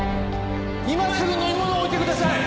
今すぐ飲み物を置いてください！